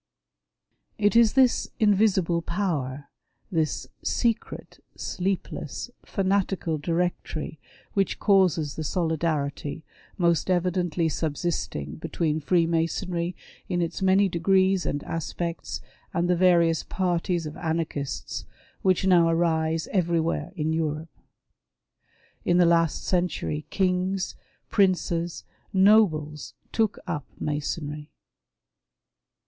It is this invisible power ; this secret, sleepless, fanatical Directory, which causes the solidarity, most evidently subsisting between Freemasonry in its many degrees and aspects and the various parties of anarchists which now arise everywhere in Europe. In the last century kings, princes, nobles, took up Masonry.